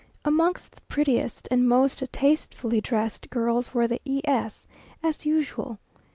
Amongst the prettiest and most tastefully dressed girls were the E s, as usual.